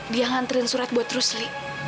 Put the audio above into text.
dia nganterin surat buat rusli